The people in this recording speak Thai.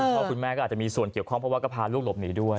พ่อแม่ก็อาจจะมีส่วนเกี่ยวข้องเพราะว่าก็พาลูกหลบหนีด้วย